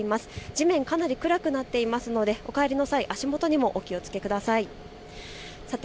地面、かなり暗くなっていますのでお帰りの際、足元にも気をつけてください。